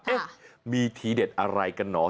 เอ๊ะมีทีเด็ดอะไรกันหนอ